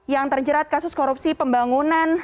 yang terjerat kasus korupsi pembangunan